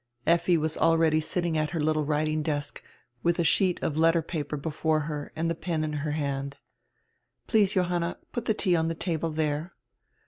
Lffi was already sitting at her little writing desk, with a sheet of letter paper before her and the pen in her hand. "Please, Johanna, put the tea on the table there."